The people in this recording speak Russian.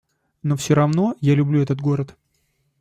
Но все равно, я люблю этот город.